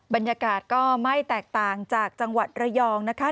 บรรยากาศก็ไม่แตกต่างจากจังหวัดระยองนะคะ